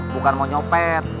bukan mau nyopet